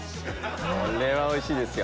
これはおいしいですよ！